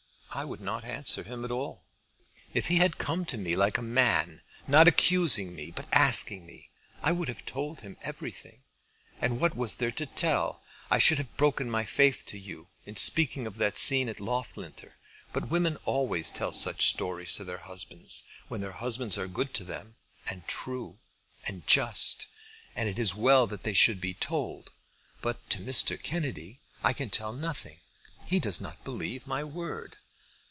"I would not answer him at all. If he had come to me like a man, not accusing me, but asking me, I would have told him everything. And what was there to tell? I should have broken my faith to you, in speaking of that scene at Loughlinter, but women always tell such stories to their husbands when their husbands are good to them, and true, and just. And it is well that they should be told. But to Mr. Kennedy I can tell nothing. He does not believe my word."